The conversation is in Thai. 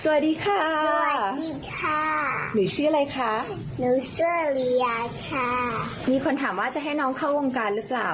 สวัสดีค่ะสวัสดีค่ะหนูชื่ออะไรคะหนูเจอริยาค่ะมีคนถามว่าจะให้น้องเข้าวงการหรือเปล่า